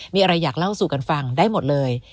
มีอะไรอยากเล่าสู่กันฟังได้หมดเลย